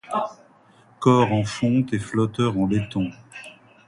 Corps en fonte et flotteur en laiton.